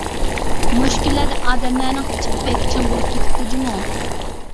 مۇشۇ كۈنلەردە ئادەملەرنىڭ ئىچى بەك چىڭ بولۇپ كېتىپتۇ جۇمۇ.